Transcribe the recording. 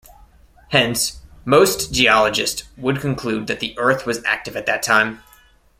Hence, most geologists would conclude that the Earth was active at that time.